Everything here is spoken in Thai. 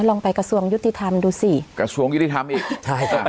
ลองไปกระทรวงยุติธรรมดูสิกระทรวงยุติธรรมอีกใช่จ้ะ